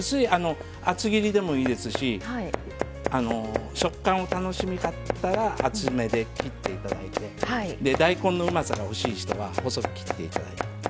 厚切りでもいいですし食感を楽しみたかったら厚めで切っていただいて大根のうまさが欲しい方は細く切っていただいて。